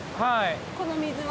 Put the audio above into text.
この水は。